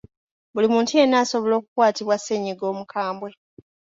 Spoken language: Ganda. Buli muntu yenna asobola okukwatibwa ssennyiga omukambwe.